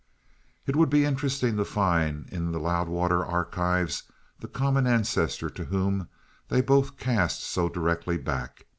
It would be interesting to find in the Loudwater archives the common ancestor to whom they both cast so directly back.